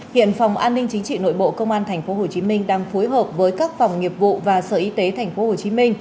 hiện phòng an ninh chính trị nội bộ công an tp hcm đang phối hợp với các phòng nghiệp vụ và sở y tế tp hcm